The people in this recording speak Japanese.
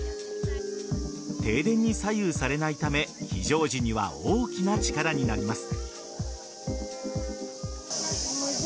停電に左右されないため非常時には大きな力になります。